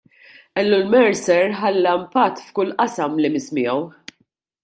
Ellul Mercer ħalla impatt f'kull qasam li miss miegħu.